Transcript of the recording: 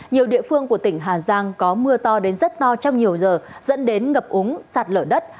nhiều địa phương của tỉnh hà giang có mưa to đến rất to trong nhiều giờ dẫn đến ngập úng sạt lở đất